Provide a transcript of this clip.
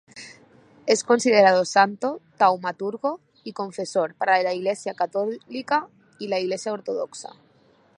Es considerado santo, taumaturgo y confesor, para la Iglesia católica y la Iglesia ortodoxa.